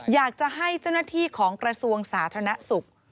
อยากจะให้เจ้าหน้าที่ของกระทรวงสาธารณสุข